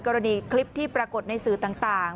กรณีคลิปที่ปรากฏในสื่อต่าง